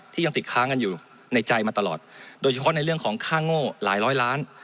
ยังติดค้างกันอยู่ในใจมาตลอดโดยเฉพาะในเรื่องของค่าโง่หลายร้อยล้าน